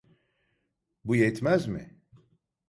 Bu yetmez mi?